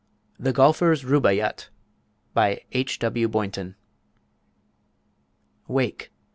THE GOLFER'S RUBAIYAT BY H.W. BOYNTON Wake!